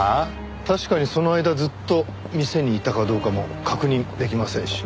確かにその間ずっと店にいたかどうかも確認できませんしね。